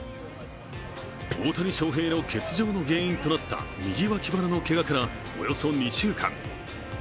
大谷翔平の欠場の原因となった右脇腹のけがからおよそ２週間。